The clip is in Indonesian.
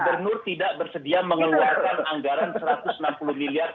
gubernur tidak bersedia mengeluarkan anggaran rp satu ratus enam puluh miliar